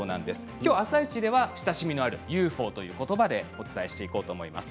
今日「あさイチ」では親しみのあるＵＦＯという言葉でお伝えしていこうと思います。